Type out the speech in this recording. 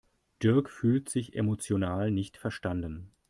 Dirk fühlt sich emotional nicht verstanden.